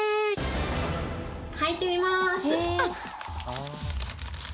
履いてみます。